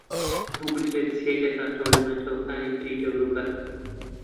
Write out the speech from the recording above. بگوترێت جیای دەکاتەوە لە نەتەوەکانی تری دەوروبەر